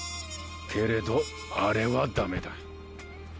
けれどあれはダメだ。